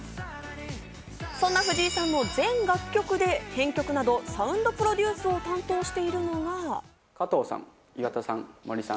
そんな藤井さんを全楽曲で編曲などサウンドプロデュースを担当しているのが。